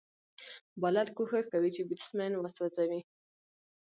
بالر کوښښ کوي، چي بېټسمېن وسوځوي.